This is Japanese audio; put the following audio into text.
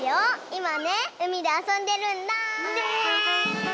いまねうみであそんでるんだ！ねえ！